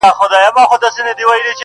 o ما ويل څه به مي احوال واخلي.